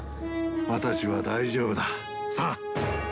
私は大丈夫だ。さあ！